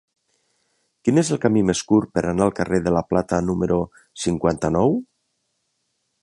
Quin és el camí més curt per anar al carrer de la Plata número cinquanta-nou?